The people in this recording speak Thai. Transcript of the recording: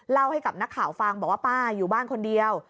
เล่าให้กับนักข่าวฟังบอกว่าป้าอยู่บ้านคนเดียว